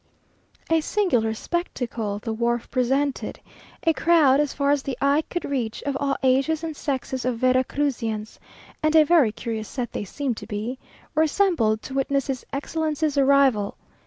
A singular spectacle the wharf presented. A crowd, as far as the eye could reach, of all ages and sexes of Vera Cruzians (and a very curious set they seemed to be), were assembled to witness his Excellency's arrival.